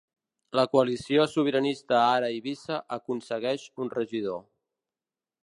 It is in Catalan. La coalició sobiranista Ara Eivissa aconsegueix un regidor.